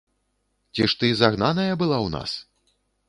Ці ж ты загнаная была ў нас?